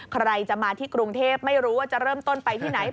ใครจะมาที่กรุงเทพไม่รู้ว่าจะเริ่มต้นไปที่ไหน